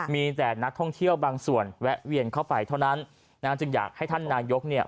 มีแต่นักท่องเที่ยวบางส่วนแวะเวียนเข้าไปเท่านั้นนะฮะจึงอยากให้ท่านนายกเนี่ย